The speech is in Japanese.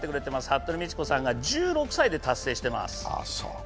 服部道子さんが１６歳で達成しています。